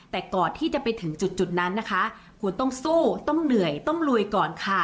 แต่ก่อนที่จะไปถึงจุดนั้นนะคะคุณต้องสู้ต้องเหนื่อยต้องรวยก่อนค่ะ